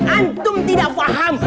antum tidak faham